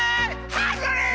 ハングリー！